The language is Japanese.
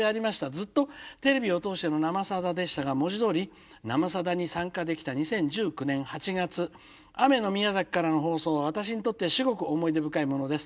ずっとテレビを通しての『生さだ』でしたが文字どおり『生さだ』に参加できた２０１９年８月雨の宮崎からの放送は私にとって至極思い出深いものです。